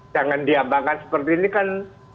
jangan diambangkan seperti ini kan